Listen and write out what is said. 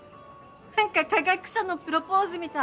何か科学者のプロポーズみたい。